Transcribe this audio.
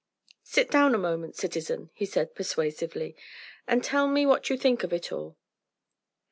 "Sit down a moment, citizen," he said persuasively, "and tell me what you think of it all."